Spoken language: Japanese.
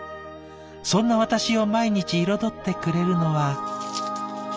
そんな私を毎日彩ってくれるのは」。